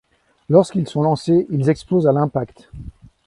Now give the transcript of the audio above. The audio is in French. Lorsqu'ils sont lancés, ils explosent à l'impact.